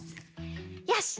よし！